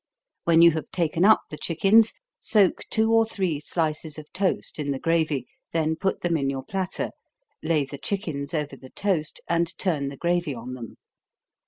When you have taken up the chickens, soak two or three slices of toast in the gravy, then put them in your platter, lay the chickens over the toast, and turn the gravy on them.